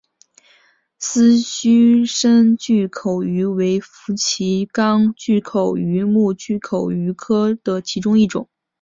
丝须深巨口鱼为辐鳍鱼纲巨口鱼目巨口鱼科的其中一种。